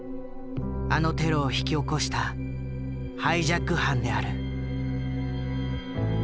あのテロを引き起こしたハイジャック犯である。